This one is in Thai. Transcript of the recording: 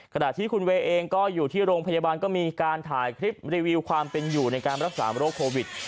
ขณะที่คุณเวย์เองก็อยู่ที่โรงพยาบาลก็มีการถ่ายคลิปรีวิวความเป็นอยู่ในการรักษาโรคโควิด